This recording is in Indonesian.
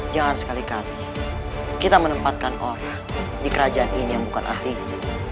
jangan sekali kali kita menempatkan orang di kerajaan ini yang bukan ahlinya